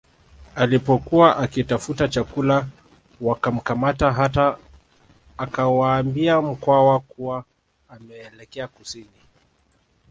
Alipokuwa akitafuta chakula wakamkamata hata akawaambia Mkwawa kuwa ameelekea kusini